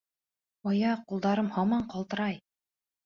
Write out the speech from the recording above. Аяҡ, ҡулдарым һаман ҡалтырай.